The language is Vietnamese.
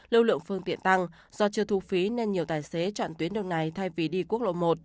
lưu lượng phương tiện tăng do chưa thu phí nên nhiều tài xế chọn tuyến đường này thay vì đi quốc lộ một